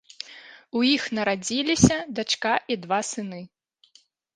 У іх нарадзіліся дачка і два сыны.